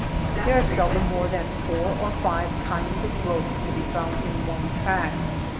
There are seldom more than four or five kinds of growth to be found in one tract.